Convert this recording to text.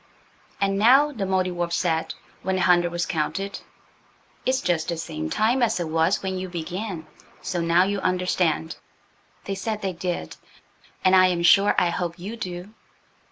"And now," the Mouldiwarp said, when the hundred was counted, "it's just the same time as it was when you began! So now you understand." They said they did, and I am sure I hope you do.